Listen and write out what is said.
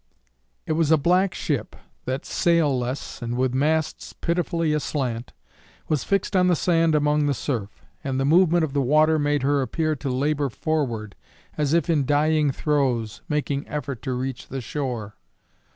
It was a black ship that, sailless and with masts pitifully aslant, was fixed on the sand among the surf, and the movement of the water made her appear to labour forward as if in dying throes making effort to reach the shore.